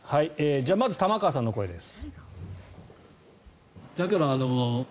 じゃあまず玉川さんの声です。